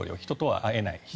人とは会えない。